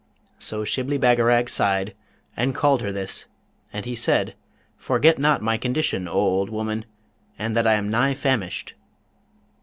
So Shibli Bagarag sighed, and called her this, and he said, 'Forget not my condition, O old woman, and that I am nigh famished.'